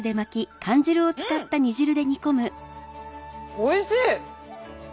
おいしい！